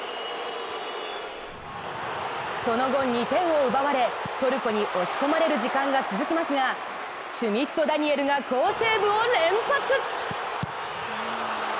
その後、２点を奪われ、トルコに押し込まれる時間が続きますが、シュミット・ダニエルが好セーブを連発！